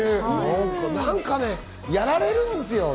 何かやられるんですよ。